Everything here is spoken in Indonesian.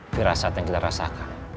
kerasa yang kita rasakan